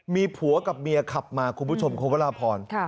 มีผัวกับเมียขับมาคุณผู้ชมคุณพระราพร